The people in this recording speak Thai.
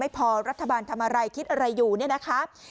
พอรัฐบาลทำอะไรคิดอะไรอยู่เนี่ยนะคะ